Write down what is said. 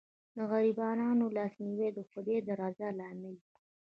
د غریبانو لاسنیوی د خدای د رضا لامل دی.